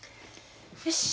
よし。